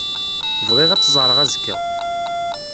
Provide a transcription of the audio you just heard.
Bɣiɣ ad tt-ẓreɣ azekka.